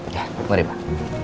ya mari pak